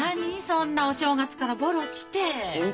そんなお正月からボロ着て。